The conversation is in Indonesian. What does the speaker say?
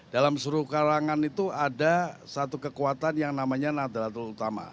dalam seluruh kalangan itu ada satu kekuatan yang namanya nadratul utama